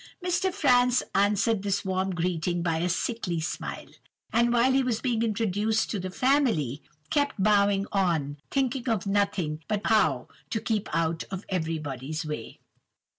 "Mr. Franz answered this warm greeting by a sickly smile, and while he was being introduced to the family, kept bowing on, thinking of nothing but how he was to keep out of everybody's way!